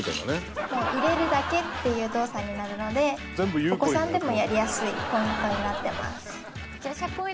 入れるだけっていう動作になるのでお子さんでもやりやすいポイントになってます。